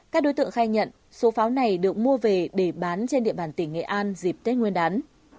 các đối tượng khai nhận số pháo này được mua về để bán trên địa bàn tỉnh nghệ an dịp tết nguyên đán